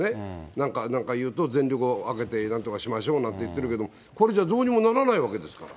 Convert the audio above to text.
なんか、なんか言うと全力を挙げて、なんとかしましょうなんて言ってるけれども、これじゃあどうにもならないわけですから。